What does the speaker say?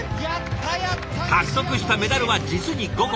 獲得したメダルは実に５個！